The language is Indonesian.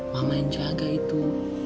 mama yang jaga itu